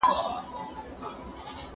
ايا ته درسونه لوستل کوې!.